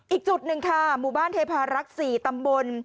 อีกจุดหนึ่งค่ะหมู่บ้านเทพารักษ์๔ตำบล